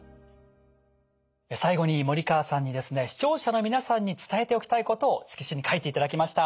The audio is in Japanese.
最後に森川さんにですね視聴者の皆さんに伝えておきたいことを色紙に書いていただきました。